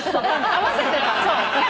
合わせてたんだ。